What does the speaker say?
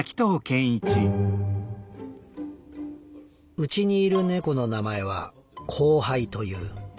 「うちにいる猫の名前はコウハイという。